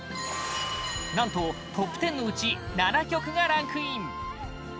何とトップ１０のうち７曲がランクイン